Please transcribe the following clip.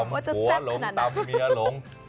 หัวหลงตำเมียหลง